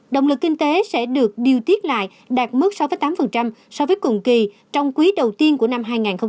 động lực kinh tế sẽ được điều tiết lại đạt mức sáu tám so với cùng kỳ trong quý đầu tiên của năm hai nghìn hai mươi ba